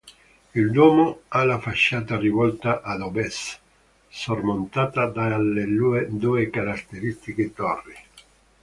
Il duomo ha la facciata rivolta ad ovest, sormontata dalle due caratteristiche torri.